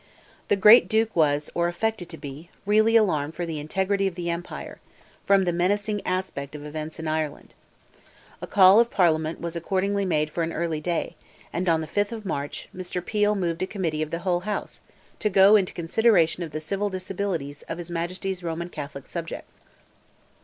The great duke was, or affected to be, really alarmed for the integrity of the empire, from the menacing aspect of events in Ireland. A call of Parliament was accordingly made for an early day, and, on the 5th of March, Mr. Peel moved a committee of the whole House, to go into a "consideration of the civil disabilities of his Majesty's Roman Catholic subjects."